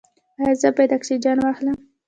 ایا زه باید اکسیجن واخلم؟